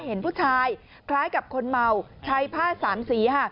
เห็นผู้ชายคล้ายกับคนเมาใช้ผ้าสามสีค่ะ